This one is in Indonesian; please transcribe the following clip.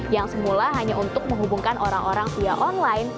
yang semula hanya untuk menghubungkan orang orang via online